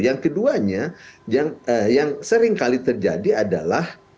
yang keduanya yang sering kali terjadi adalah